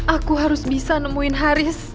aku harus bisa nemuin haris